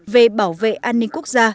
về bảo vệ an ninh quốc gia